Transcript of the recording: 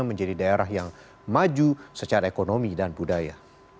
menjadi daerah yang maju secara ekonomi dan budaya